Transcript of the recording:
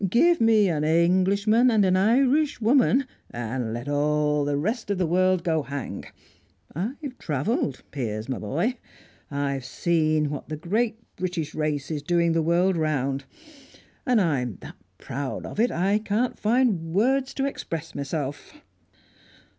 Give me an Englishman and an Irishwoman, and let all the rest of the world go hang! I've travelled, Piers, my boy. I've seen what the great British race is doing the world round; and I'm that proud of it I can't find words to express myself."